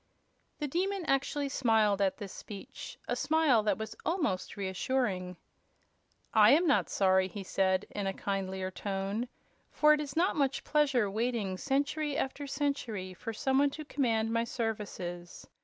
The Demon actually smiled at this speech, a smile that was almost reassuring. "I am not sorry," he said, in kindlier tone, "for it is not much pleasure waiting century after century for some one to command my services.